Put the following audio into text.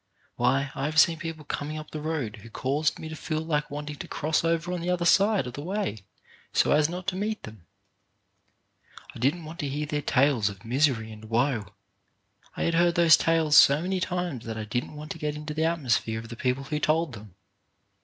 Why, I have seen people coming up the road who caused me to feel like wanting to cross over on to the other side of the way so as not to meet them. I didn't TWO SIDES OF LIFE 9 want to hear their tales of misery and woe. I had heard those tales so many times that I didn't want to get into the atmosphere of the people who told them.